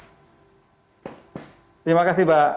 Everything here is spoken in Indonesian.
terima kasih mbak